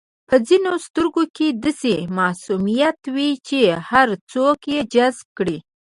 په ځینو سترګو کې داسې معصومیت وي چې هر څوک یې جذب کړي.